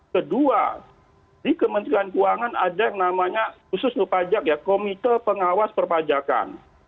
kedua di kementerian keuangan ada yang namanya khusus untuk pajak ya komite pengawas perpajakan